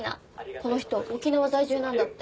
この人沖縄在住なんだって。